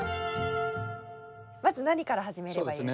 まず何から始めればいいですか？